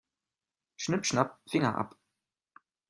Schnipp-schnapp, Finger ab.